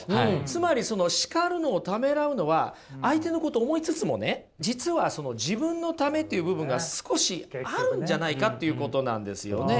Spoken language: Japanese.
つまりその叱るのをためらうのは相手のことを思いつつもね実はその自分のためという部分が少しあるんじゃないかということなんですよね。